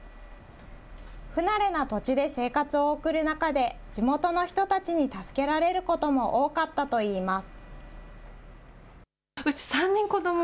不慣れな土地で生活を送る中で、地元の人たちに助けられることも多かったといいます。